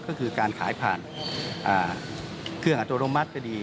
ก็คือการขายผ่านเครื่องอัตโนมัติก็ดี